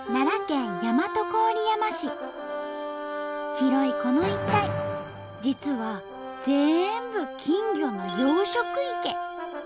広いこの一帯実はぜんぶ金魚の養殖池。